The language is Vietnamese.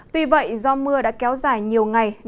tuy vậy do mưa đã kéo dài nhiều ngày